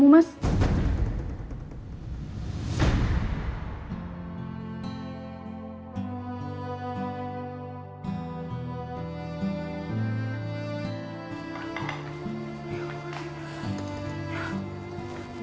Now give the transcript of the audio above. trulah cuap nih temen